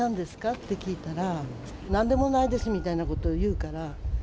って聞いたら、なんでもないですみたいなこと言うから。